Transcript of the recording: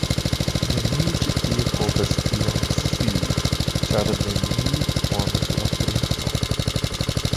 Neniu ĉi tie povas tion scii, ĉar neniu konas la princon!